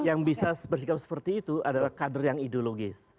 yang bisa bersikap seperti itu adalah kader yang ideologis